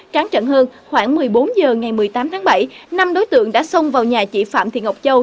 tráng trận hơn khoảng một mươi bốn h ngày một mươi tám tháng bảy năm đối tượng đã xông vào nhà chị phạm thị ngọc châu